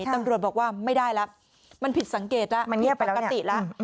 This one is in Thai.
ตำรวจบอกว่าไม่ได้ละมันผิดสังเกตละมันเงียบไปแล้วเนี่ย